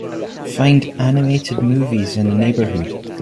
Find animated movies in the neighborhood.